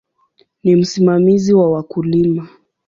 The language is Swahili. Ni msimamizi wa wakulima.